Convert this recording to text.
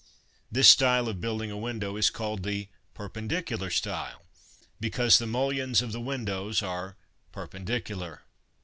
This style of building a window is called the Perpendicular Style, because the mullions of the windows are ' per pendicular.'